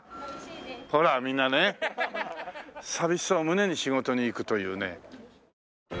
ほらみんなね寂しさを胸に仕事に行くというね。